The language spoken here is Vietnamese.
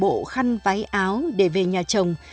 bộ khăn váy áo để về nhà chồng